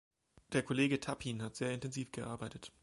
Der Kollege Tappin hat sehr intensiv gearbeitet.